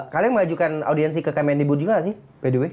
kalian mau ajukan audiensi ke kmn dibun juga nggak sih